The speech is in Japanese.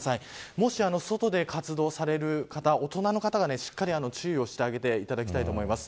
もし外で活動される方大人の方がしっかり注意をしてあげていただきたいと思います。